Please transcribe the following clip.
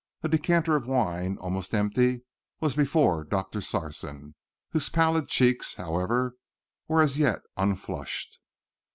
A decanter of wine, almost empty, was before Doctor Sarson, whose pallid cheeks, however, were as yet unflushed.